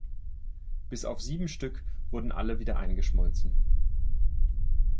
Bis auf sieben Stück wurden alle wieder eingeschmolzen.